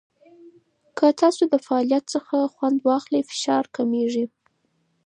که تاسو د فعالیت څخه خوند واخلئ، فشار کمېږي.